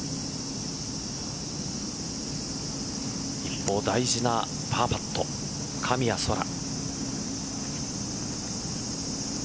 一方、大事なパーパット神谷そら。